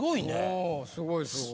ああすごいすごい。